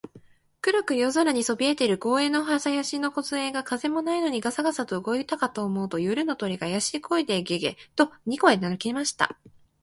黒く夜空にそびえている公園の林のこずえが、風もないのにガサガサと動いたかと思うと、夜の鳥が、あやしい声で、ゲ、ゲ、と二声鳴きました。